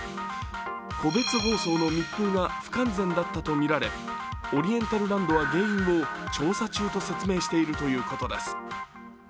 個別包装の密封が不完全だったとみられオリエンタルランドは原因を調査中と説明しているということです。